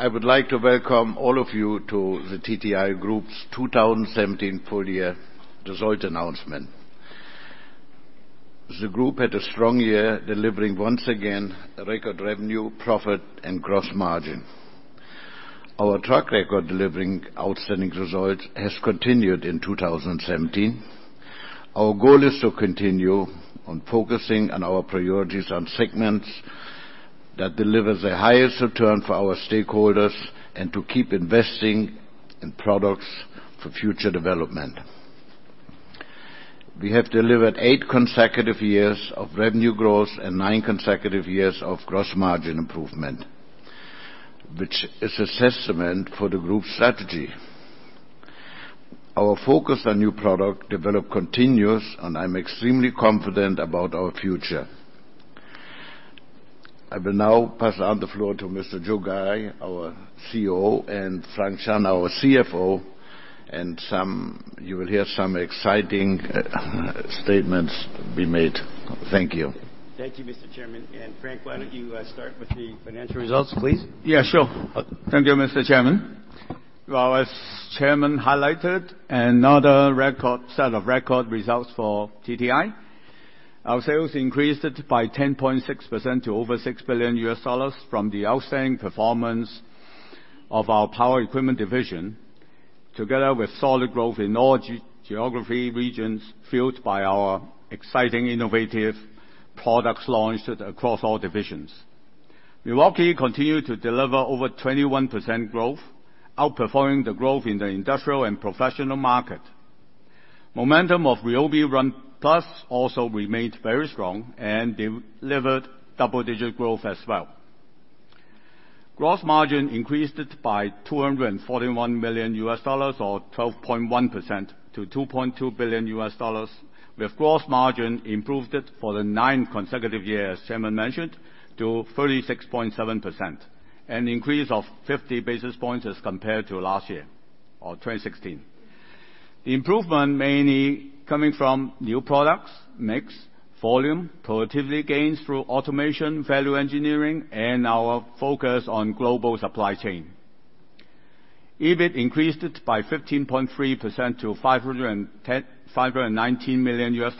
I would like to welcome all of you to the TTI Group's 2017 full-year result announcement. The Group had a strong year, delivering once again a record revenue, profit, and gross margin. Our track record delivering outstanding results has continued in 2017. Our goal is to continue on focusing on our priorities on segments that deliver the highest return for our stakeholders, and to keep investing in products for future development. We have delivered eight consecutive years of revenue growth and nine consecutive years of gross margin improvement, which is a testament for the Group's strategy. Our focus on new product development continues, and I'm extremely confident about our future. I will now pass on the floor to Mr. Joe Galli, our CEO, and Frank Chan, our CFO, and you will hear some exciting statements be made. Thank you. Thank you, Mr. Chairman. Frank, why don't you start with the financial results, please? Thank you, Mr. Chairman. As Chairman highlighted, another set of record results for TTI. Our sales increased by 10.6% to over $6 billion from the outstanding performance of our power equipment division, together with solid growth in all geography regions fueled by our exciting innovative products launched across all divisions. Milwaukee continued to deliver over 21% growth, outperforming the growth in the industrial and professional market. Momentum of RYOBI ONE+ also remained very strong and delivered double-digit growth as well. Gross margin increased by $241 million, or 12.1%, to $2.2 billion, with gross margin improved for the ninth consecutive year, as Chairman mentioned, to 36.7%, an increase of 50 basis points as compared to last year or 2016. The improvement mainly coming from new products, mix, volume, productivity gains through automation, value engineering, and our focus on global supply chain. EBIT increased by 15.3% to $519 million,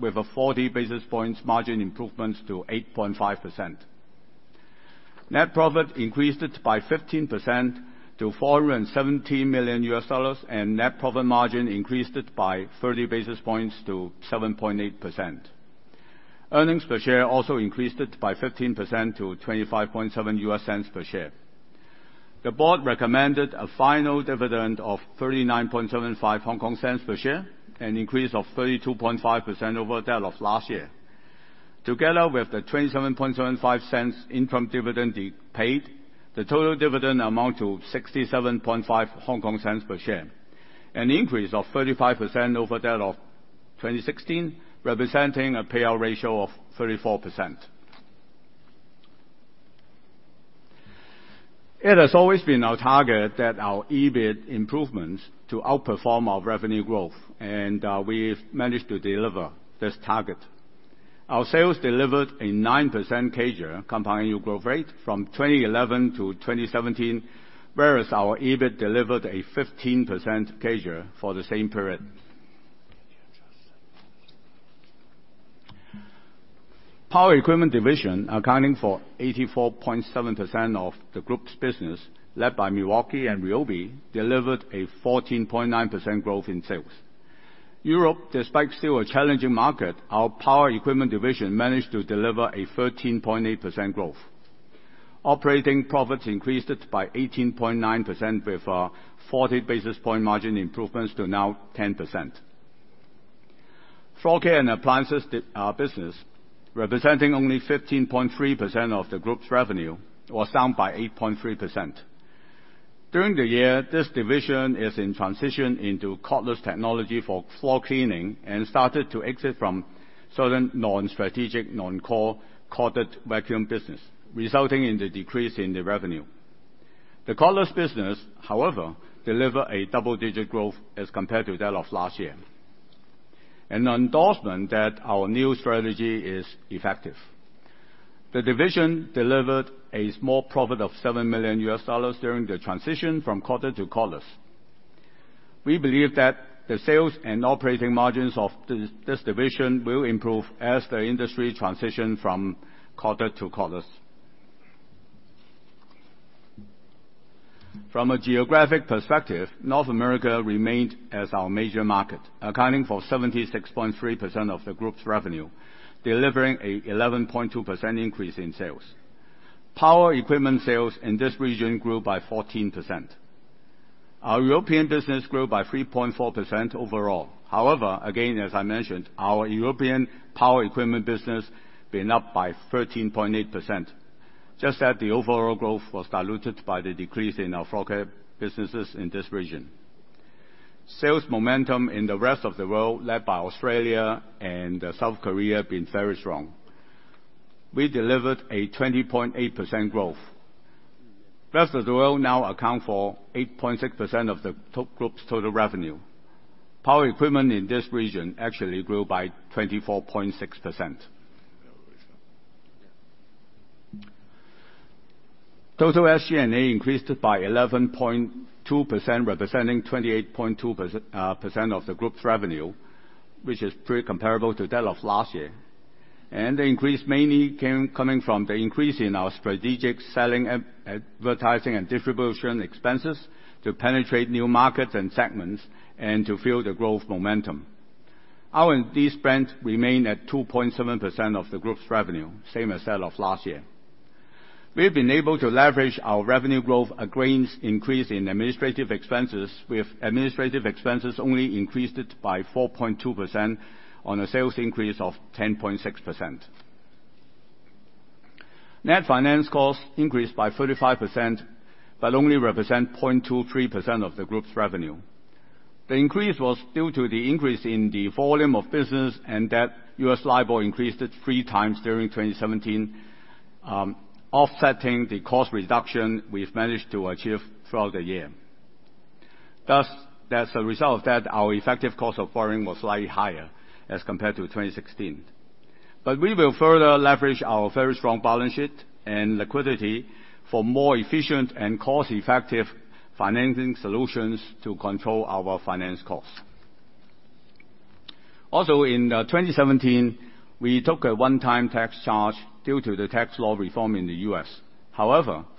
with a 40 basis points margin improvements to 8.5%. Net profit increased by 15% to $417 million. Net profit margin increased by 30 basis points to 7.8%. Earnings per share also increased by 15% to $0.257 per share. The board recommended a final dividend of 0.3975 per share, an increase of 32.5% over that of last year. Together with the 0.2775 interim dividend paid, the total dividend amount to 0.675 per share, an increase of 35% over that of 2016, representing a payout ratio of 34%. It has always been our target that our EBIT improvements to outperform our revenue growth. We've managed to deliver this target. Our sales delivered a 9% CAGR, compound annual growth rate, from 2011 to 2017, whereas our EBIT delivered a 15% CAGR for the same period. Power equipment division accounting for 84.7% of the group's business, led by Milwaukee and RYOBI, delivered a 14.9% growth in sales. Europe, despite still a challenging market, our power equipment division managed to deliver a 13.8% growth. Operating profits increased by 18.9% with a 40 basis point margin improvements to now 10%. Floor care and appliances business, representing only 15.3% of the group's revenue, was down by 8.3%. During the year, this division is in transition into cordless technology for floor cleaning and started to exit from certain non-strategic, non-core corded vacuum business, resulting in the decrease in the revenue. The cordless business, however, deliver a double-digit growth as compared to that of last year, an endorsement that our new strategy is effective. The division delivered a small profit of $7 million during the transition from corded to cordless. We believe that the sales and operating margins of this division will improve as the industry transition from corded to cordless. From a geographic perspective, North America remained as our major market, accounting for 76.3% of the group's revenue, delivering an 11.2% increase in sales. Power equipment sales in this region grew by 14%. Our European business grew by 3.4% overall. Again, as I mentioned, our European power equipment business been up by 13.8%, just that the overall growth was diluted by the decrease in our floor care businesses in this region. Sales momentum in the rest of the world, led by Australia and South Korea, been very strong. We delivered a 20.8% growth. Rest of the world now account for 8.6% of the group's total revenue. Power equipment in this region actually grew by 24.6%. Total SG&A increased by 11.2%, representing 28.2% of the group's revenue, which is pretty comparable to that of last year. The increase mainly coming from the increase in our strategic selling, advertising, and distribution expenses to penetrate new markets and segments, and to fuel the growth momentum. R&D spend remained at 2.7% of the group's revenue, same as that of last year. We've been able to leverage our revenue growth against increase in administrative expenses, with administrative expenses only increased by 4.2% on a sales increase of 10.6%. Net finance costs increased by 35% but only represent 0.23% of the group's revenue. The increase was due to the increase in the volume of business and that US LIBOR increased three times during 2017, offsetting the cost reduction we've managed to achieve throughout the year. As a result of that, our effective cost of borrowing was slightly higher as compared to 2016. We will further leverage our very strong balance sheet and liquidity for more efficient and cost-effective financing solutions to control our finance costs. Also, in 2017, we took a one-time tax charge due to the tax law reform in the U.S.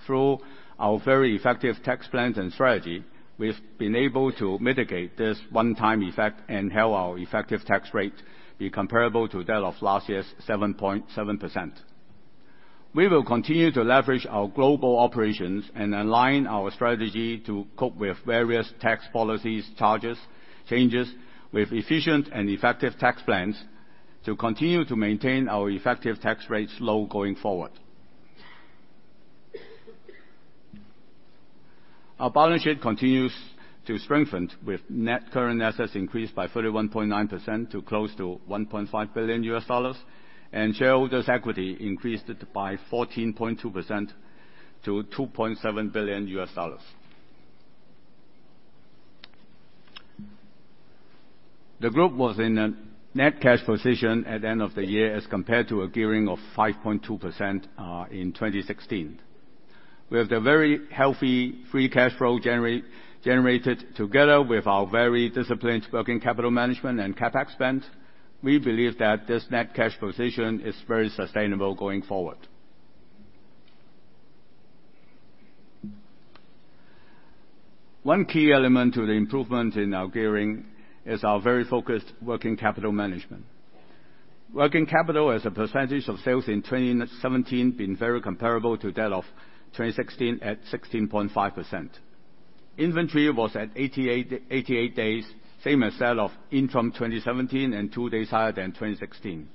Through our very effective tax plans and strategy, we've been able to mitigate this one-time effect and have our effective tax rate be comparable to that of last year's 7.7%. We will continue to leverage our global operations and align our strategy to cope with various tax policies, charges, changes, with efficient and effective tax plans to continue to maintain our effective tax rates low going forward. Our balance sheet continues to strengthen with net current assets increased by 31.9% to close to $1.5 billion, and shareholders' equity increased by 14.2% to $2.7 billion. The Group was in a net cash position at the end of the year as compared to a gearing of 5.2% in 2016. With a very healthy free cash flow generated together with our very disciplined working capital management and CapEx spend, we believe that this net cash position is very sustainable going forward. One key element to the improvement in our gearing is our very focused working capital management. Working capital as a percentage of sales in 2017 been very comparable to that of 2016 at 16.5%. Inventory was at 88 days, same as that of interim 2017 and two days higher than 2016.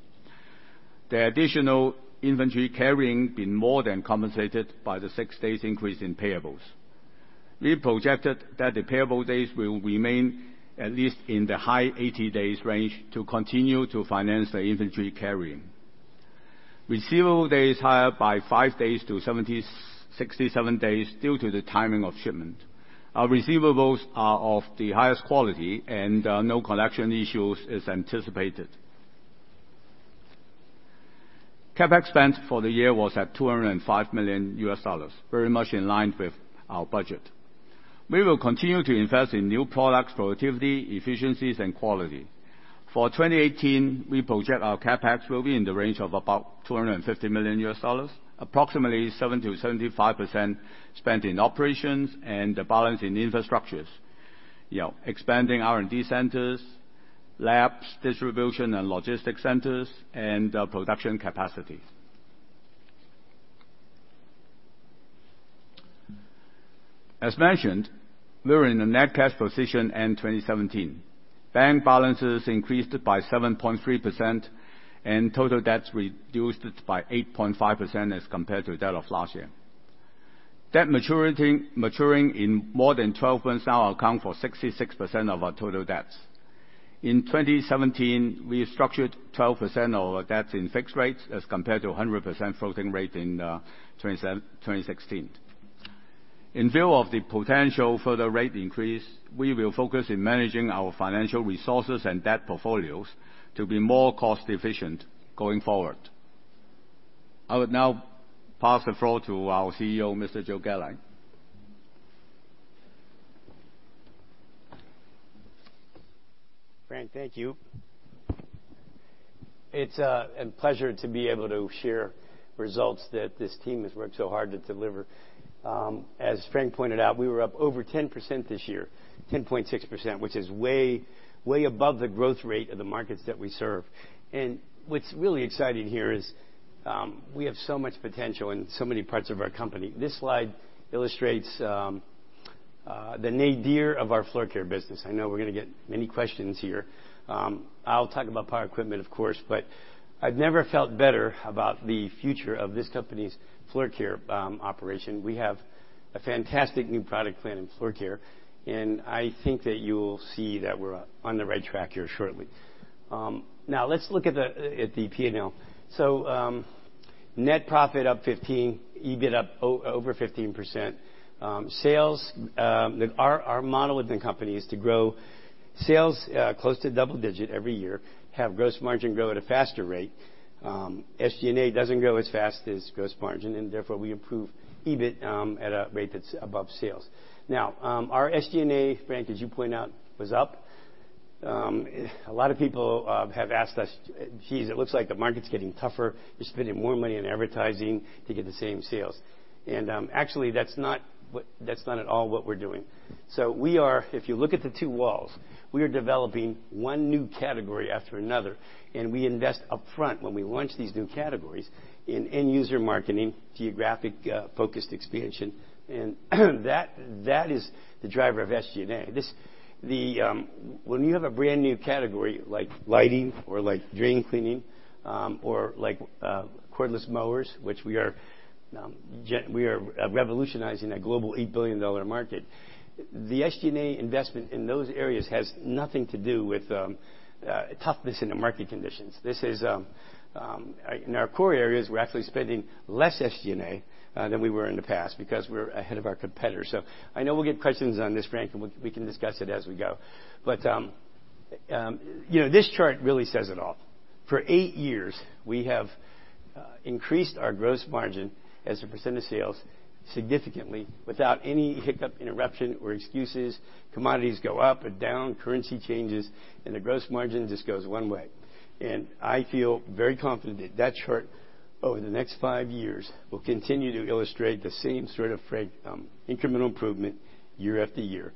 The additional inventory carrying been more than compensated by the six days increase in payables. We projected that the payable days will remain at least in the high 80 days range to continue to finance the inventory carrying. Receivable days higher by five days to 67 days due to the timing of shipment. Our receivables are of the highest quality and no collection issues is anticipated. CapEx spend for the year was at $205 million, very much in line with our budget. We will continue to invest in new products, productivity, efficiencies, and quality. For 2018, we project our CapEx will be in the range of about $250 million, approximately 70%-75% spent in operations and the balance in infrastructures. Expanding R&D centers, labs, distribution and logistic centers, and production capacities. As mentioned, we were in a net cash position end 2017. Bank balances increased by 7.3% and total debts reduced by 8.5% as compared to that of last year. Debt maturing in more than 12 months now account for 66% of our total debts. In 2017, we structured 12% of our debts in fixed rates as compared to 100% floating rate in 2016. In view of the potential further rate increase, we will focus in managing our financial resources and debt portfolios to be more cost efficient going forward. I would now pass the floor to our CEO, Mr. Joe Galli. Frank, thank you. It's a pleasure to be able to share results that this team has worked so hard to deliver. As Frank pointed out, we were up over 10% this year, 10.6%, which is way above the growth rate of the markets that we serve. What's really exciting here is we have so much potential in so many parts of our company. This slide illustrates the nadir of our floor care business. I know we're going to get many questions here. I'll talk about power equipment, of course, but I've never felt better about the future of this company's floor care operation. We have a fantastic new product plan in floor care, and I think that you'll see that we're on the right track here shortly. Now let's look at the P&L. Net profit up 15%, EBIT up over 15%. Our model within company is to grow sales close to double-digit every year, have gross margin grow at a faster rate. SG&A doesn't grow as fast as gross margin, and therefore, we improve EBIT at a rate that's above sales. Our SG&A, Frank, as you point out, was up. A lot of people have asked us, "Geez, it looks like the market's getting tougher. You're spending more money on advertising to get the same sales." Actually, that's not at all what we're doing. If you look at the two tools, we are developing one new category after another, and we invest upfront when we launch these new categories in end-user marketing, geographic-focused expansion. That is the driver of SG&A. When you have a brand-new category like lighting or like drain cleaning, or like cordless mowers, which we are revolutionizing a global $8 billion market, the SG&A investment in those areas has nothing to do with toughness in the market conditions. In our core areas, we're actually spending less SG&A than we were in the past because we're ahead of our competitors. I know we'll get questions on this, Frank, and we can discuss it as we go. This chart really says it all. For eight years, we have increased our gross margin as a % of sales significantly without any hiccup, interruption, or excuses. Commodities go up or down, currency changes, and the gross margin just goes one way. I feel very confident that chart over the next five years will continue to illustrate the same sort of incremental improvement year after year.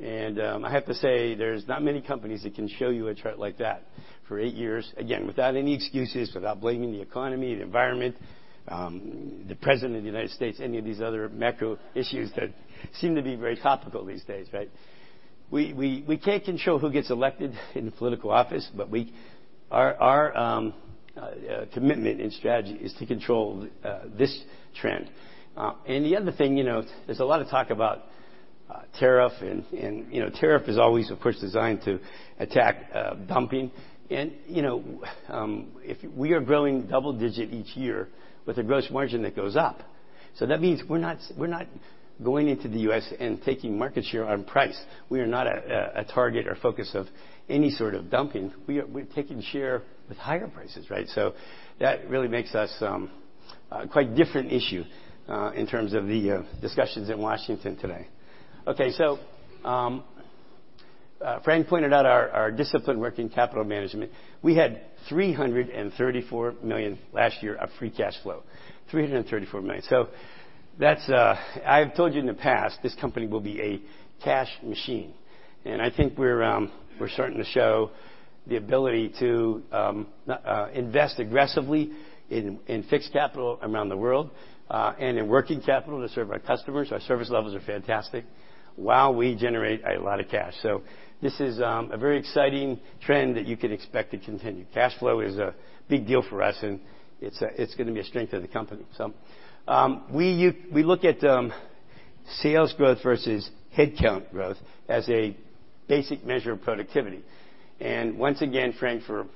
I have to say, there's not many companies that can show you a chart like that for eight years, again, without any excuses, without blaming the economy, the environment, the President of the U.S., any of these other macro issues that seem to be very topical these days, right? We can't control who gets elected in political office, but our commitment and strategy is to control this trend. The other thing, there's a lot of talk about tariff, and tariff is always, of course, designed to attack dumping. We are growing double-digit each year with a gross margin that goes up. That means we're not going into the U.S. and taking market share on price. We are not a target or focus of any sort of dumping. We're taking share with higher prices, right? That really makes us quite different issue in terms of the discussions in Washington today. Okay. Frank pointed out our disciplined working capital management. We had $334 million last year of free cash flow, $334 million. I've told you in the past, this company will be a cash machine. I think we're starting to show the ability to invest aggressively in fixed capital around the world, and in working capital to serve our customers, our service levels are fantastic, while we generate a lot of cash. This is a very exciting trend that you can expect to continue. Cash flow is a big deal for us, and it's going to be a strength of the company. We look at sales growth versus headcount growth as a basic measure of productivity. Once again, Frank, for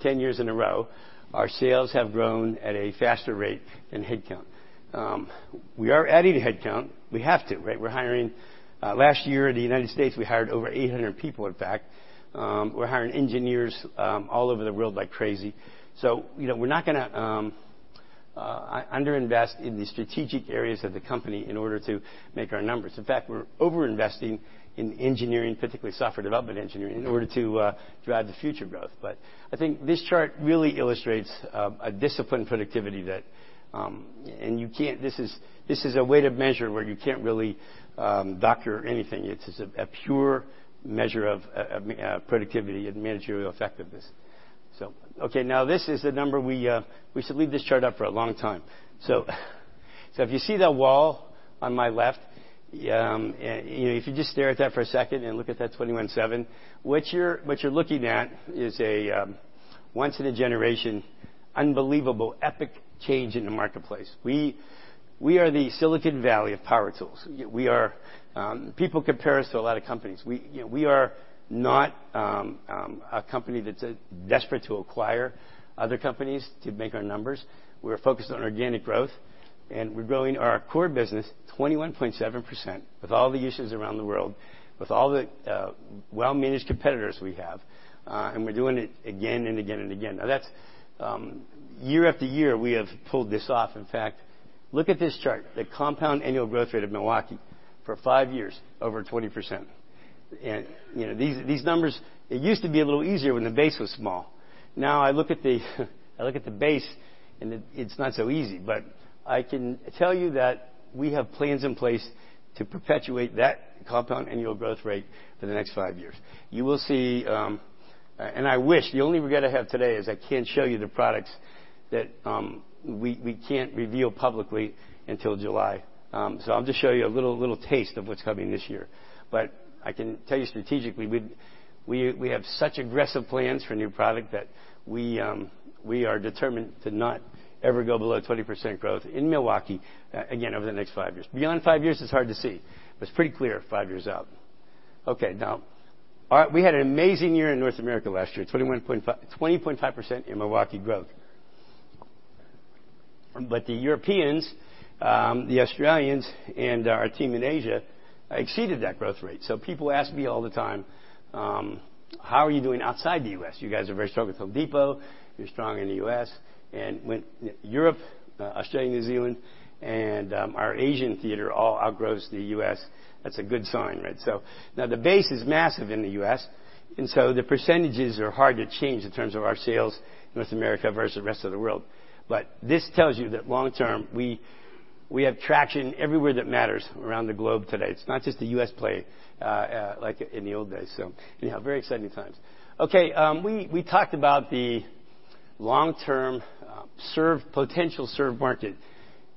10 years in a row, our sales have grown at a faster rate than headcount. We are adding headcount. We have to, right? Last year in the U.S., we hired over 800 people, in fact. We're hiring engineers all over the world like crazy. We're not going to under-invest in the strategic areas of the company in order to make our numbers. In fact, we're over-investing in engineering, particularly software development engineering, in order to drive the future growth. I think this chart really illustrates a disciplined productivity that this is a way to measure where you can't really doctor anything. It's a pure measure of productivity and managerial effectiveness. Okay, now, this is the number. We should leave this chart up for a long time. If you see that wall on my left, if you just stare at that for a second and look at that 21.7%, what you're looking at is a once-in-a-generation, unbelievable, epic change in the marketplace. We are the Silicon Valley of power tools. People compare us to a lot of companies. We are not a company that's desperate to acquire other companies to make our numbers. We're focused on organic growth, and we're growing our core business 21.7% with all the issues around the world, with all the well-managed competitors we have, and we're doing it again and again and again. Now, year after year, we have pulled this off. In fact, look at this chart, the compound annual growth rate of Milwaukee for five years, over 20%. These numbers, it used to be a little easier when the base was small. Now, I look at the base and it's not so easy. I can tell you that we have plans in place to perpetuate that compound annual growth rate for the next five years. You will see. The only regret I have today is I can't show you the products that we can't reveal publicly until July. I'll just show you a little taste of what's coming this year. I can tell you strategically, we have such aggressive plans for new product that we are determined to not ever go below 20% growth in Milwaukee, again over the next five years. Beyond five years, it's hard to see, but it's pretty clear five years out. Okay. Now, we had an amazing year in North America last year, 20.5% in Milwaukee growth. The Europeans, the Australians, and our team in Asia exceeded that growth rate. People ask me all the time, "How are you doing outside the U.S.? You guys are very strong with The Home Depot. You're strong in the U.S." When Europe, Australia, New Zealand, and our Asian theater all outgross the U.S., that's a good sign, right? Now the base is massive in the U.S., the percentages are hard to change in terms of our sales, North America versus the rest of the world. This tells you that long term, we have traction everywhere that matters around the globe today. It's not just a U.S. play, like in the old days. Anyhow, very exciting times. Okay, we talked about the long-term potential served market.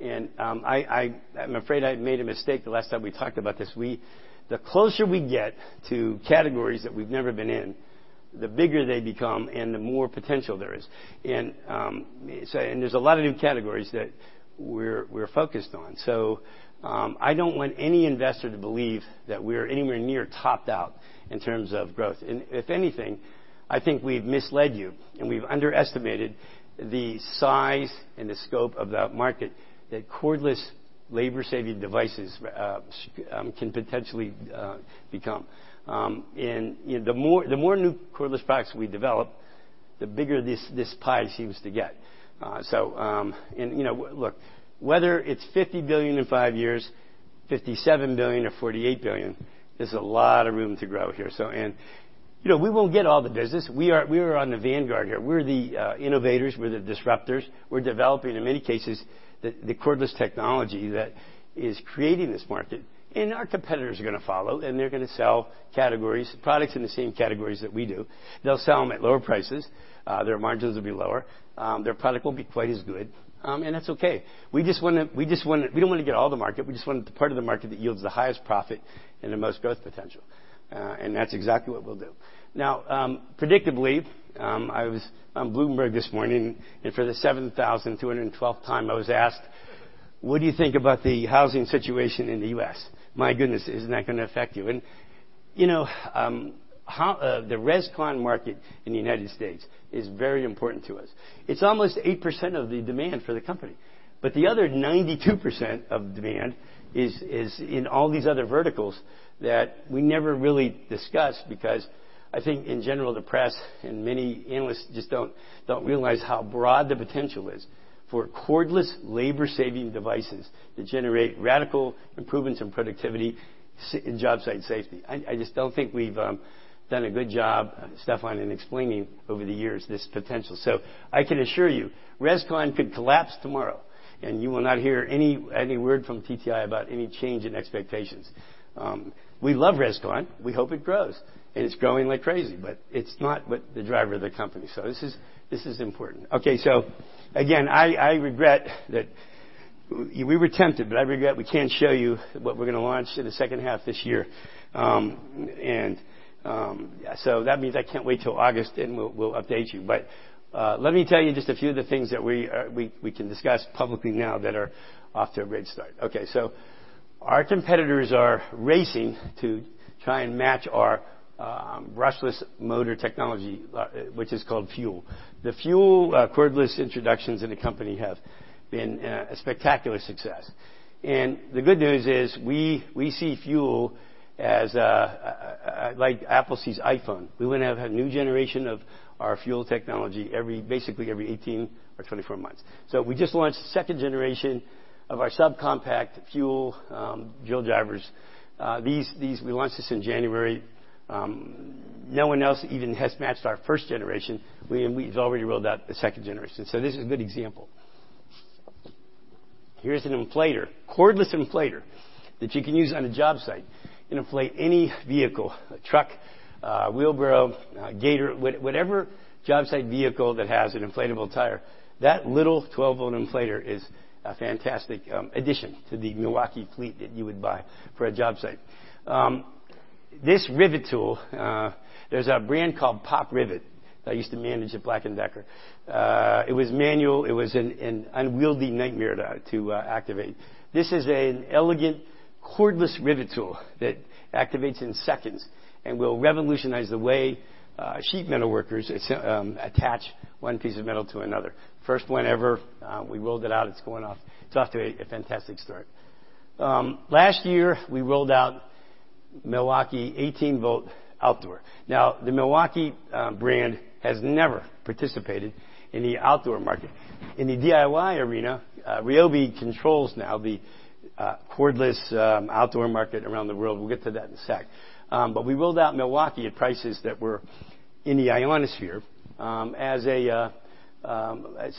I'm afraid I made a mistake the last time we talked about this. The closer we get to categories that we've never been in, the bigger they become and the more potential there is. There's a lot of new categories that we're focused on. I don't want any investor to believe that we're anywhere near topped out in terms of growth. If anything, I think we've misled you, and we've underestimated the size and the scope of that market that cordless labor-saving devices can potentially become. The more new cordless products we develop, the bigger this pie seems to get. Look, whether it's $50 billion in 5 years, $57 billion or $48 billion, there's a lot of room to grow here. We won't get all the business. We are on the vanguard here. We're the innovators. We're the disruptors. We're developing, in many cases, the cordless technology that is creating this market. Our competitors are going to follow, and they're going to sell products in the same categories that we do. They'll sell them at lower prices. Their margins will be lower. Their product won't be quite as good. That's okay. We don't want to get all the market, we just want the part of the market that yields the highest profit and the most growth potential. That's exactly what we'll do. Now, predictably, I was on Bloomberg this morning, and for the 7,212th time I was asked, "What do you think about the housing situation in the U.S.? My goodness, isn't that going to affect you?" The res/con market in the U.S. is very important to us. It's almost 8% of the demand for the company. The other 92% of demand is in all these other verticals that we never really discuss because I think, in general, the press and many analysts just don't realize how broad the potential is for cordless labor-saving devices to generate radical improvements in productivity and job site safety. I just don't think we've done a good job, Stephan, in explaining over the years this potential. I can assure you, res/con could collapse tomorrow, and you will not hear any word from TTI about any change in expectations. We love res/con. We hope it grows, and it's growing like crazy, but it's not the driver of the company. This is important. I regret that we were tempted, I regret we can't show you what we're going to launch in the second half of this year. That means I can't wait till August, then we'll update you. Let me tell you just a few of the things that we can discuss publicly now that are off to a great start. Our competitors are racing to try and match our brushless motor technology, which is called FUEL. The FUEL cordless introductions in the company have been a spectacular success. The good news is we see FUEL like Apple sees iPhone. We want to have a new generation of our FUEL technology basically every 18 or 24 months. We just launched the second generation of our subcompact FUEL drill drivers. We launched this in January. No one else even has matched our first generation. We've already rolled out the second generation. This is a good example. Here's an inflator, cordless inflator that you can use on a job site. You can inflate any vehicle, a truck, a wheelbarrow, a gator, whatever job site vehicle that has an inflatable tire. That little 12-volt inflator is a fantastic addition to the Milwaukee fleet that you would buy for a job site. This rivet tool, there's a brand called POP Rivet that I used to manage at Black & Decker. It was manual. It was an unwieldy nightmare to activate. This is an elegant cordless rivet tool that activates in seconds and will revolutionize the way sheet metal workers attach one piece of metal to another. First one ever. We rolled it out. It's off to a fantastic start. Last year we rolled out Milwaukee M18 Outdoor. The Milwaukee brand has never participated in the outdoor market. In the DIY arena, RYOBI controls now the cordless outdoor market around the world. We'll get to that in a sec. We rolled out Milwaukee at prices that were in the ionosphere,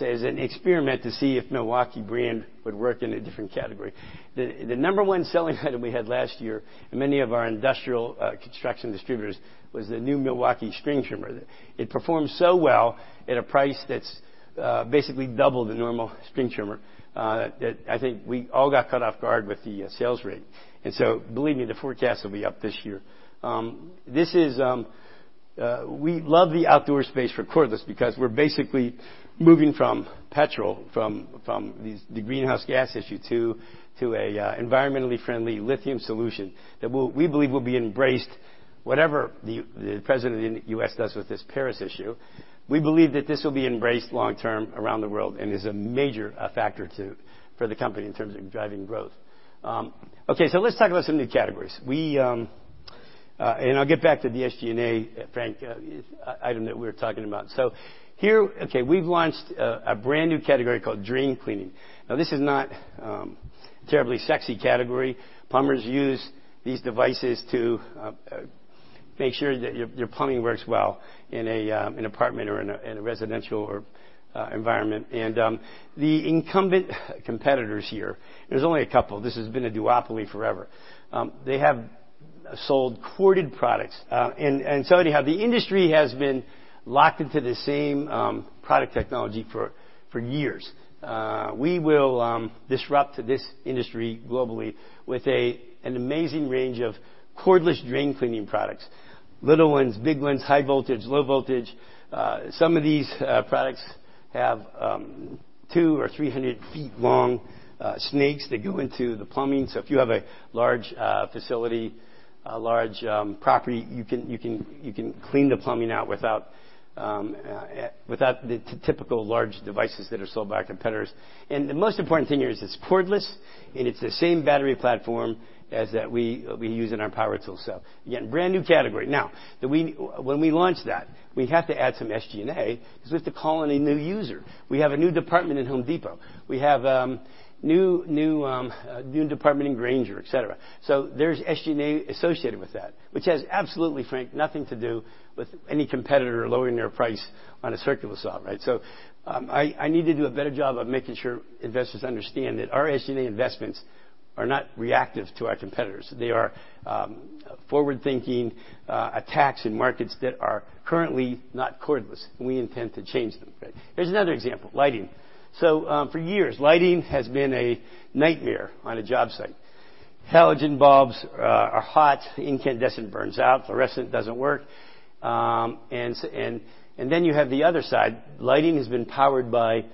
as an experiment to see if Milwaukee brand would work in a different category. The number one selling item we had last year in many of our industrial construction distributors was the new Milwaukee string trimmer. It performed so well at a price that's basically double the normal string trimmer, that I think we all got caught off guard with the sales rate. Believe me, the forecast will be up this year. We love the outdoor space for cordless because we're basically moving from petrol, from the greenhouse gas issue, to an environmentally friendly lithium solution that we believe will be embraced. Whatever the president of the U.S. does with this Paris issue, we believe that this will be embraced long term around the world and is a major factor, too, for the company in terms of driving growth. Okay. Let's talk about some new categories. I'll get back to the SG&A, Frank, item that we were talking about. Here, okay, we've launched a brand-new category called drain cleaning. This is not a terribly sexy category. Plumbers use these devices to make sure that your plumbing works well in an apartment or in a residential environment. The incumbent competitors here, there's only a couple. This has been a duopoly forever. They have sold corded products. Anyhow, the industry has been locked into the same product technology for years. We will disrupt this industry globally with an amazing range of cordless drain cleaning products, little ones, big ones, high voltage, low voltage. Some of these products have two or three hundred feet long snakes that go into the plumbing. If you have a large facility, a large property, you can clean the plumbing out without the typical large devices that are sold by our competitors. The most important thing here is it's cordless, and it's the same battery platform as that we use in our power tool. Again, brand-new category. When we launch that, we have to add some SG&A because we have to call in a new user. We have a new department in Home Depot. We have a new department in Grainger, et cetera. There's SG&A associated with that, which has absolutely, Frank, nothing to do with any competitor lowering their price on a circular saw, right? I need to do a better job of making sure investors understand that our SG&A investments are not reactive to our competitors. They are forward-thinking attacks in markets that are currently not cordless, and we intend to change them, right? Here's another example, lighting. For years, lighting has been a nightmare on a job site. Halogen bulbs are hot, incandescent burns out, fluorescent doesn't work. Then you have the other side. Lighting has been powered by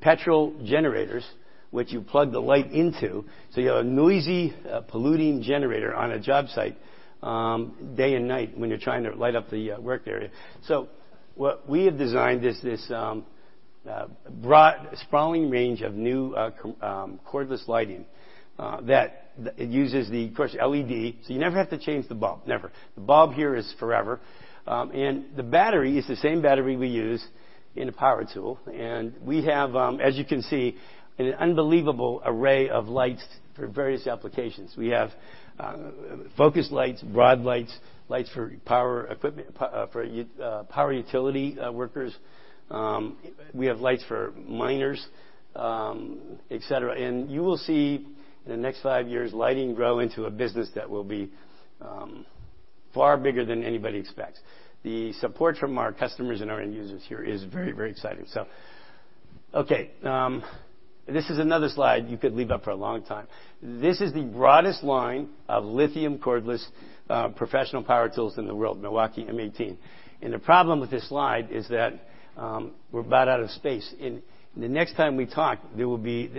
petrol generators, which you plug the light into. You have a noisy, polluting generator on a job site day and night when you're trying to light up the work area. What we have designed is this broad, sprawling range of new cordless lighting that uses the, of course, LED, so you never have to change the bulb. Never. The bulb here is forever. The battery is the same battery we use in a power tool. We have, as you can see, an unbelievable array of lights for various applications. We have focus lights, broad lights for power utility workers. We have lights for miners, et cetera. You will see in the next five years, lighting grow into a business that will be far bigger than anybody expects. The support from our customers and our end users here is very exciting. Okay. This is another slide you could leave up for a long time. This is the broadest line of lithium cordless professional power tools in the world, Milwaukee M18. The problem with this slide is that we're about out of space. The next time we talk, there will be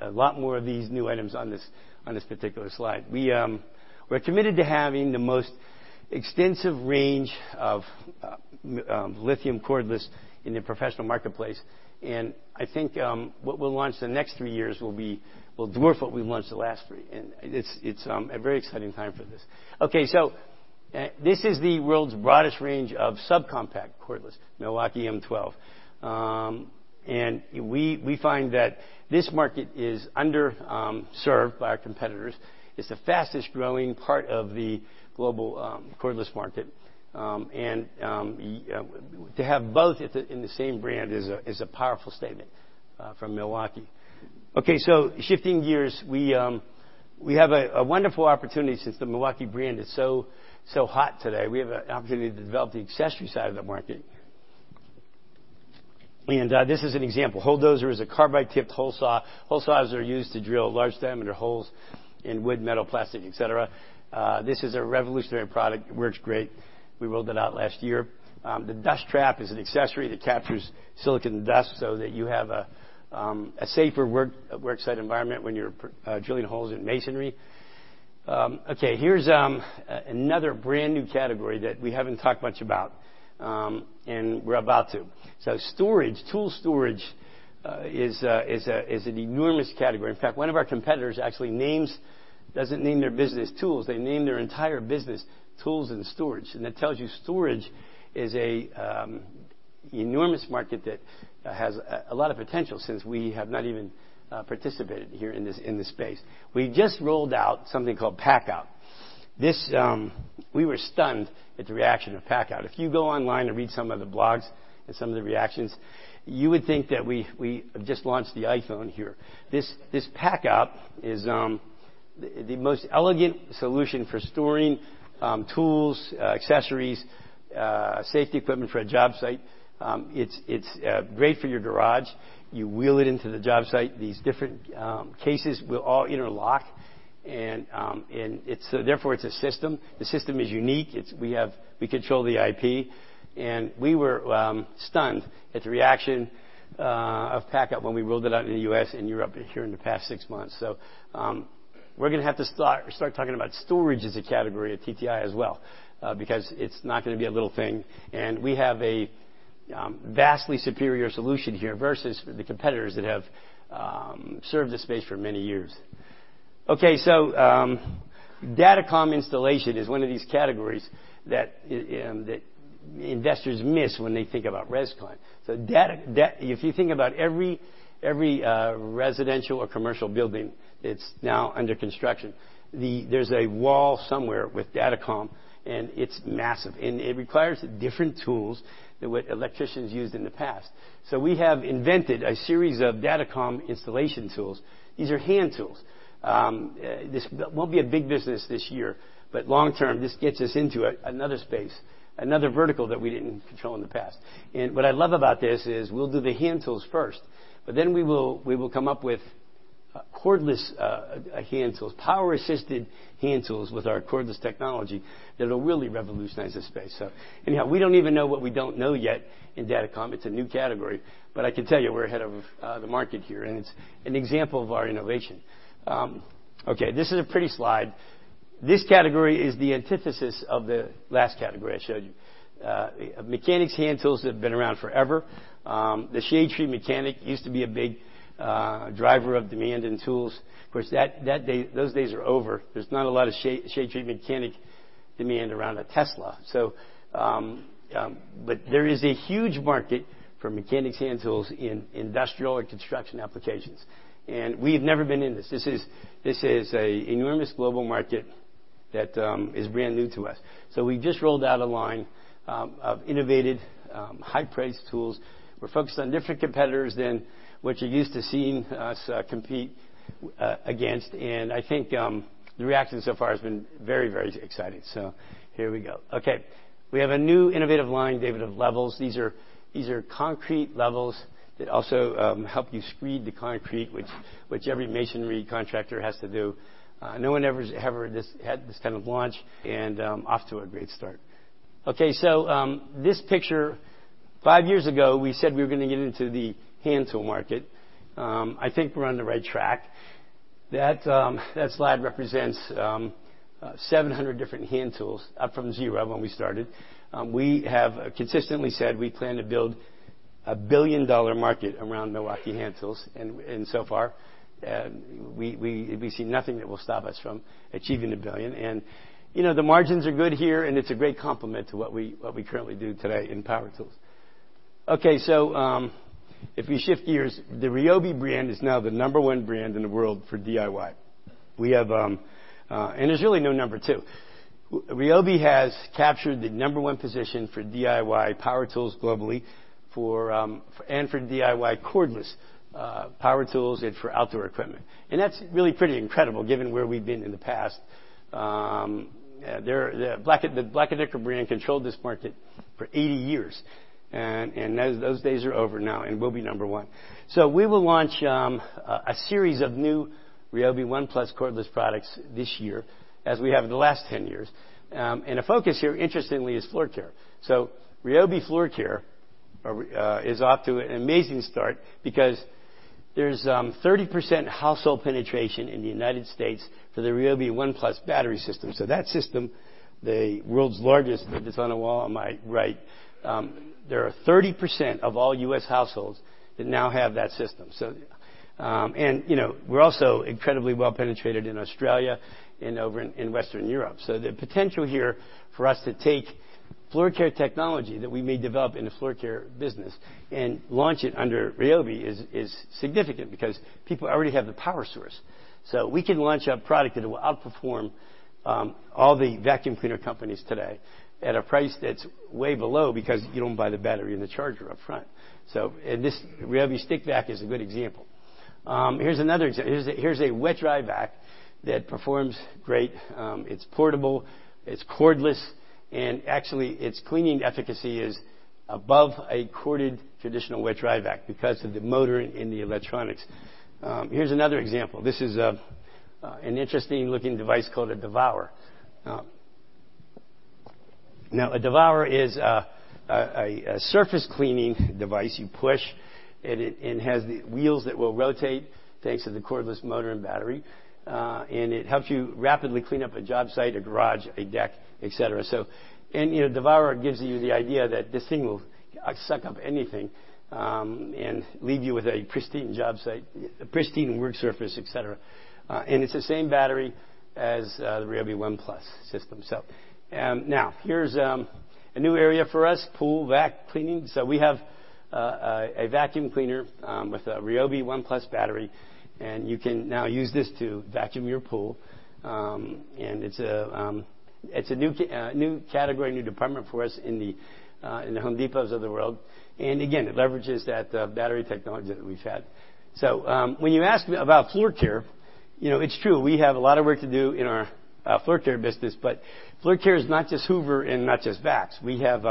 a lot more of these new items on this particular slide. We're committed to having the most extensive range of lithium cordless in the professional marketplace. I think what we'll launch the next three years will dwarf what we've launched the last three. It's a very exciting time for this. This is the world's broadest range of subcompact cordless, Milwaukee M12. We find that this market is underserved by our competitors. It's the fastest-growing part of the global cordless market. To have both in the same brand is a powerful statement from Milwaukee. Shifting gears, we have a wonderful opportunity since the Milwaukee brand is so hot today. We have an opportunity to develop the accessory side of the market. This is an example. HOLE DOZER is a carbide-tipped hole saw. Hole saws are used to drill large-diameter holes in wood, metal, plastic, et cetera. This is a revolutionary product. It works great. We rolled it out last year. The DUST TRAP is an accessory that captures silica dust so that you have a safer work site environment when you're drilling holes in masonry. Okay. Here's another brand-new category that we haven't talked much about, and we're about to. Storage, tool storage is an enormous category. In fact, one of our competitors actually doesn't name their business Tools. They name their entire business Tools and Storage. That tells you storage is a enormous market that has a lot of potential since we have not even participated here in this space. We just rolled out something called PACKOUT. We were stunned at the reaction of PACKOUT. If you go online and read some of the blogs and some of the reactions, you would think that we have just launched the iPhone here. The most elegant solution for storing tools, accessories, safety equipment for a job site. It's great for your garage. You wheel it into the job site. These different cases will all interlock, therefore, it's a system. The system is unique. We control the IP, and we were stunned at the reaction of PACKOUT when we rolled it out in the U.S. and Europe here in the past six months. We're going to have to start talking about storage as a category at TTI as well, because it's not going to be a little thing, and we have a vastly superior solution here versus the competitors that have served the space for many years. Okay. Datacom installation is one of these categories that investors miss when they think about res/con. If you think about every residential or commercial building that's now under construction, there's a wall somewhere with Datacom, and it's massive. It requires different tools than what electricians used in the past. We have invented a series of Datacom installation tools. These are hand tools. This won't be a big business this year, but long term, this gets us into another space, another vertical that we didn't control in the past. What I love about this is we'll do the hand tools first, but then we will come up with cordless hand tools, power-assisted hand tools with our cordless technology that'll really revolutionize the space. Anyhow, we don't even know what we don't know yet in Datacom. It's a new category. I can tell you, we're ahead of the market here, and it's an example of our innovation. Okay, this is a pretty slide. This category is the antithesis of the last category I showed you. Mechanics hand tools have been around forever. The shade tree mechanic used to be a big driver of demand in tools. Of course, those days are over. There's not a lot of shade tree mechanic demand around a Tesla. There is a huge market for mechanics hand tools in industrial or construction applications, and we've never been in this. This is an enormous global market that is brand new to us. We just rolled out a line of innovative, high-priced tools. We're focused on different competitors than what you're used to seeing us compete against, and I think the reaction so far has been very exciting. Here we go. Okay. We have a new innovative line, David, of levels. These are concrete levels that also help you screed the concrete, which every masonry contractor has to do. No one ever had this kind of launch, and off to a great start. Okay, this picture, five years ago, we said we were going to get into the hand tool market. I think we're on the right track. That slide represents 700 different hand tools up from zero when we started. We have consistently said we plan to build a billion-dollar market around Milwaukee hand tools, and so far, we see nothing that will stop us from achieving a billion. The margins are good here, and it's a great complement to what we currently do today in power tools. Okay, if we shift gears, the RYOBI brand is now the number 1 brand in the world for DIY. There's really no number two. RYOBI has captured the number one position for DIY power tools globally and for DIY cordless power tools and for outdoor equipment. That's really pretty incredible given where we've been in the past. The Black & Decker brand controlled this market for 80 years, and those days are over now, and we'll be number one. We will launch a series of new RYOBI ONE+ cordless products this year, as we have in the last 10 years. A focus here, interestingly, is floor care. RYOBI floor care is off to an amazing start because there's 30% household penetration in the U.S. for the RYOBI ONE+ battery system. That system, the world's largest, that is on a wall on my right, there are 30% of all U.S. households that now have that system. We're also incredibly well-penetrated in Australia and over in Western Europe. The potential here for us to take floor care technology that we may develop in the floor care business and launch it under RYOBI is significant because people already have the power source. We can launch a product that will outperform all the vacuum cleaner companies today at a price that's way below because you don't buy the battery and the charger up front. This RYOBI Stick Vac is a good example. Here's another example. Here's a wet/dry vac that performs great. It's portable, it's cordless, and actually, its cleaning efficacy is above a corded traditional wet/dry vac because of the motor and the electronics. Here's another example. This is an interesting looking device called a Devour. A Devour is a surface cleaning device you push, and it has the wheels that will rotate thanks to the cordless motor and battery. It helps you rapidly clean up a job site, a garage, a deck, et cetera. Devour gives you the idea that this thing will suck up anything, and leave you with a pristine job site, a pristine work surface, et cetera. It's the same battery as the RYOBI ONE+ system. Now here's a new area for us, pool vac cleaning. We have a vacuum cleaner with a RYOBI ONE+ battery, and you can now use this to vacuum your pool. It's a new category, new department for us in the Home Depots of the world. Again, it leverages that battery technology that we've had. When you ask me about floor care, it's true, we have a lot of work to do in our floor care business. Floor care is not just Hoover and not just Vax. We have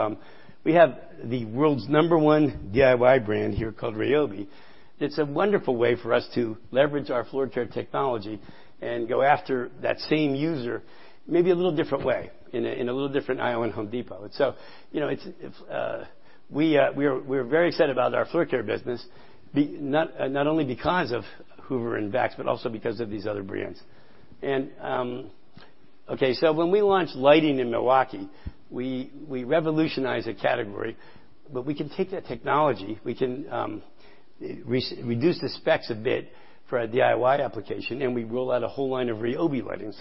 the world's number one DIY brand here called RYOBI. It's a wonderful way for us to leverage our floor care technology and go after that same user, maybe a little different way, in a little different aisle in The Home Depot. We're very excited about our floor care business, not only because of Hoover and Vax, but also because of these other brands. When we launched lighting in Milwaukee, we revolutionized a category. We can take that technology, we can reduce the specs a bit for a DIY application, and we roll out a whole line of RYOBI lighting.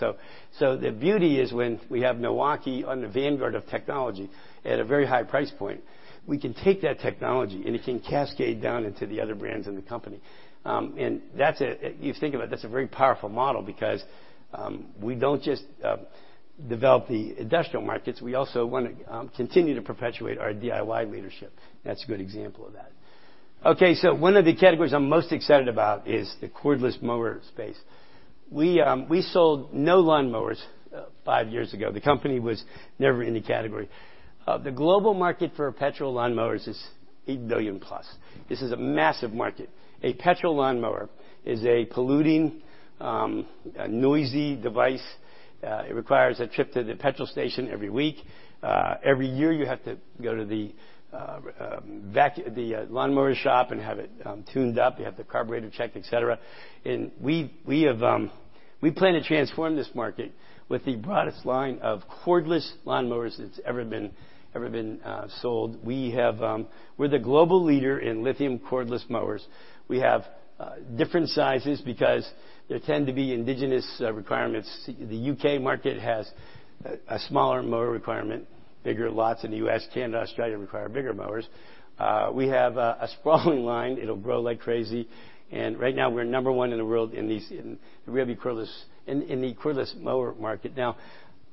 The beauty is when we have Milwaukee on the vanguard of technology at a very high price point, we can take that technology and it can cascade down into the other brands in the company. If you think about it, that's a very powerful model because we don't just develop the industrial markets, we also want to continue to perpetuate our DIY leadership. That's a good example of that. Okay. One of the categories I'm most excited about is the cordless mower space. We sold no lawnmowers five years ago. The company was never in the category. The global market for petrol lawnmowers is $8 billion plus. This is a massive market. A petrol lawnmower is a polluting, noisy device. It requires a trip to the petrol station every week. Every year you have to go to the lawnmower shop and have it tuned up, you have the carburetor checked, et cetera. We plan to transform this market with the broadest line of cordless lawnmowers that's ever been sold. We're the global leader in lithium cordless mowers. We have different sizes because there tend to be indigenous requirements. The U.K. market has a smaller mower requirement. Bigger lots in the U.S., Canada, Australia require bigger mowers. We have a sprawling line. It'll grow like crazy. Right now, we're number one in the world in the cordless mower market.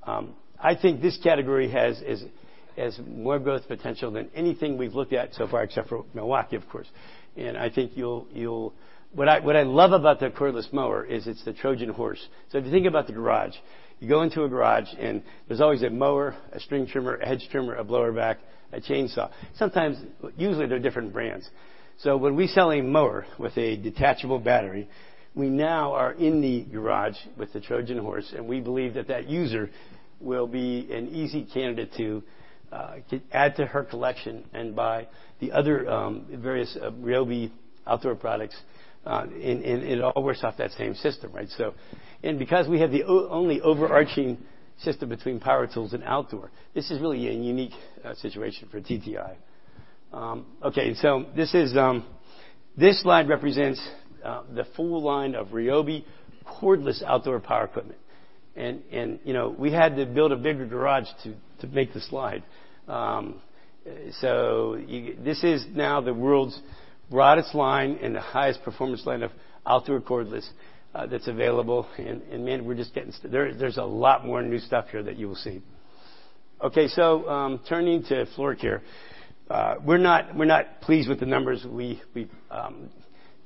I think this category has more growth potential than anything we've looked at so far, except for Milwaukee, of course. What I love about the cordless mower is it's the Trojan horse. If you think about the garage, you go into a garage and there's always a mower, a string trimmer, a hedge trimmer, a blower vac, a chainsaw. Usually, they're different brands. When we sell a mower with a detachable battery, we now are in the garage with the Trojan horse, and we believe that that user will be an easy candidate to add to her collection and buy the other various RYOBI outdoor products, and it all works off that same system, right? Because we have the only overarching system between power tools and outdoor, this is really a unique situation for TTI. Okay. This slide represents the full line of RYOBI cordless outdoor power equipment. We had to build a bigger garage to make the slide. This is now the world's broadest line and the highest performance line of outdoor cordless that's available. Man, there's a lot more new stuff here that you will see. Okay. Turning to floor care. We're not pleased with the numbers we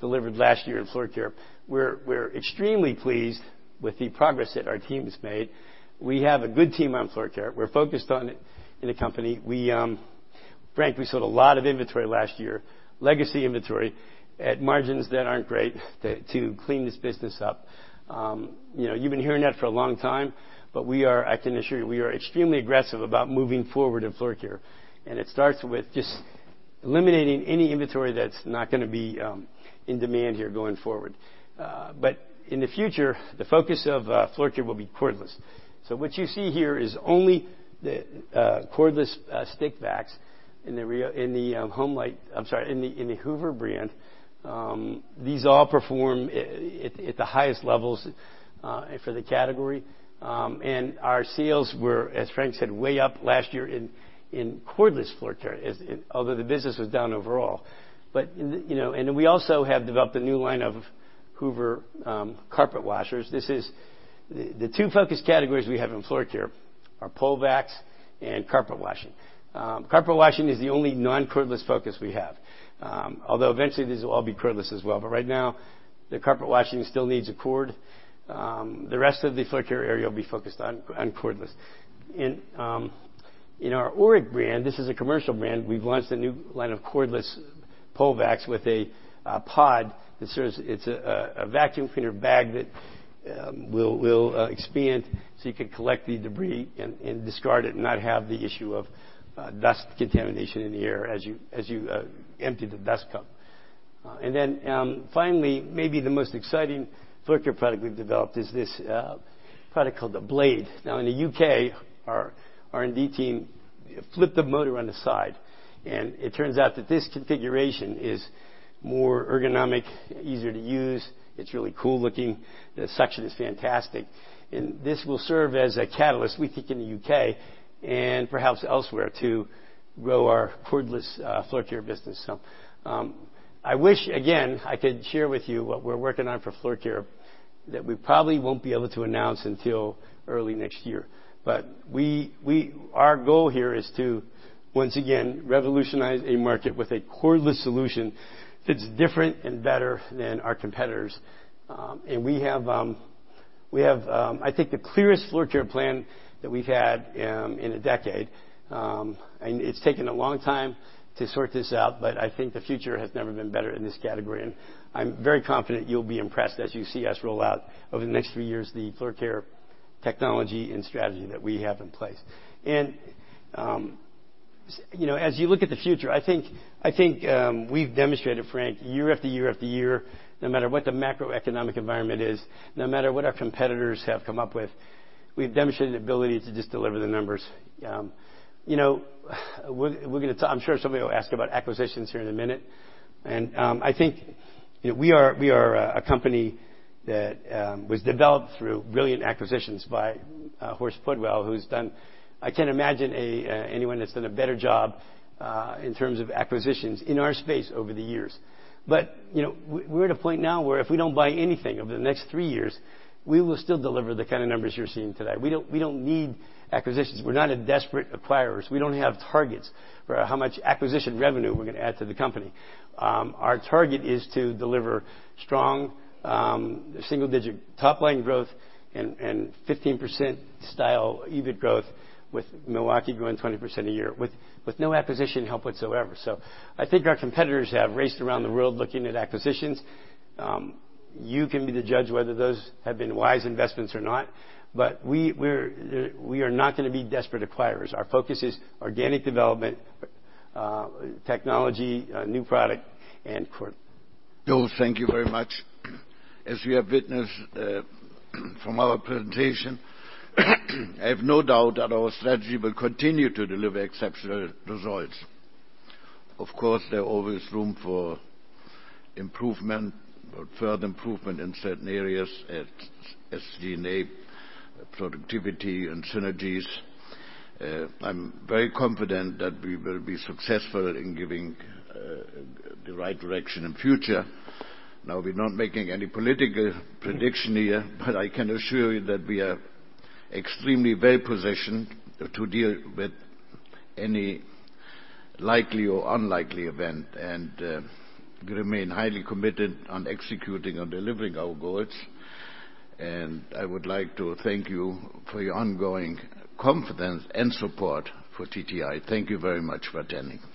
delivered last year in floor care. We're extremely pleased with the progress that our team has made. We have a good team on floor care. We're focused on it in the company. Frank, we sold a lot of inventory last year, legacy inventory at margins that aren't great to clean this business up. You've been hearing that for a long time, but I can assure you, we are extremely aggressive about moving forward in floor care, and it starts with just eliminating any inventory that's not going to be in demand here going forward. In the future, the focus of floor care will be cordless. What you see here is only the cordless stick vacs in the Hoover brand. These all perform at the highest levels for the category. Our sales were, as Frank said, way up last year in cordless floor care, although the business was down overall. We also have developed a new line of Hoover carpet washers. The two focus categories we have in floor care are pole vacs and carpet washing. Carpet washing is the only non-cordless focus we have. Eventually, these will all be cordless as well. Right now, the carpet washing still needs a cord. The rest of the floor care area will be focused on cordless. In our Oreck brand, this is a commercial brand, we've launched a new line of cordless pole vacs with a pod that serves It's a vacuum cleaner bag that will expand so you can collect the debris and discard it and not have the issue of dust contamination in the air as you empty the dust cup. Then, finally, maybe the most exciting floor care product we've developed is this product called the Blade. In the U.K., our R&D team flipped the motor on the side, it turns out that this configuration is more ergonomic, easier to use. It's really cool looking. The suction is fantastic. This will serve as a catalyst, we think, in the U.K. and perhaps elsewhere, to grow our cordless floor care business. I wish, again, I could share with you what we're working on for floor care that we probably won't be able to announce until early next year. Our goal here is to, once again, revolutionize a market with a cordless solution that's different and better than our competitors. We have, I think, the clearest floor care plan that we've had in a decade. It's taken a long time to sort this out, I think the future has never been better in this category. I'm very confident you'll be impressed as you see us roll out over the next few years, the floor care technology and strategy that we have in place. As you look at the future, I think we've demonstrated, Frank, year after year after year, no matter what the macroeconomic environment is, no matter what our competitors have come up with, we've demonstrated an ability to just deliver the numbers. I'm sure somebody will ask about acquisitions here in a minute. I think we are a company that was developed through brilliant acquisitions by Horst Pudwill. I can't imagine anyone that's done a better job in terms of acquisitions in our space over the years. We're at a point now where if we don't buy anything over the next three years, we will still deliver the kind of numbers you're seeing today. We don't need acquisitions. We're not a desperate acquirers. We don't have targets for how much acquisition revenue we're going to add to the company. Our target is to deliver strong single-digit top-line growth and 15% style EBIT growth with Milwaukee growing 20% a year with no acquisition help whatsoever. I think our competitors have raced around the world looking at acquisitions. You can be the judge whether those have been wise investments or not, but we are not going to be desperate acquirers. Our focus is organic development, technology, new product, and core. Joe, thank you very much. As we have witnessed from our presentation, I have no doubt that our strategy will continue to deliver exceptional results. Of course, there's always room for further improvement in certain areas as DNA productivity and synergies. I'm very confident that we will be successful in giving the right direction in future. We're not making any political prediction here, but I can assure you that we are extremely well-positioned to deal with any likely or unlikely event, and remain highly committed on executing and delivering our goals. I would like to thank you for your ongoing confidence and support for TTI. Thank you very much for attending.